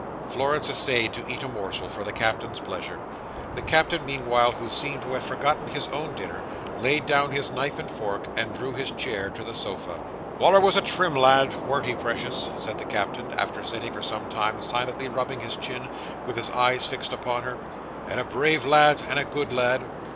Florence essayed to eat a morsel, for the Captain's pleasure. The Captain, meanwhile, who seemed to have quite forgotten his own dinner, laid down his knife and fork, and drew his chair to the sofa. "Wal"r was a trim lad, warn't he, precious?" said the Captain, after sitting for some time silently rubbing his chin, with his eyes fixed upon her, "and a brave lad, and a good lad?"